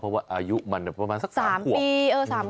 เพราะว่าอายุมันประมาณสัก๓ปี